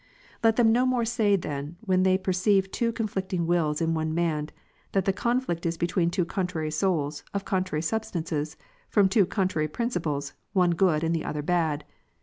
24. Let them no more say then, when they perceive two conflicting wills in one man, that the conflict is between two contrary souls, of two contrary substances, from two contrary principles, one good, and the other bad.